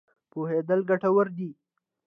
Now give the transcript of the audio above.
پوهېدل ګټور دی.